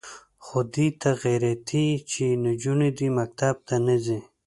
خو دې ته غیرتي یې چې نجونې دې مکتب ته نه ځي.